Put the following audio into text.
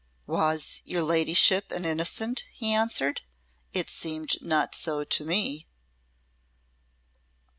"Was your ladyship an innocent?" he answered. "It seemed not so to me."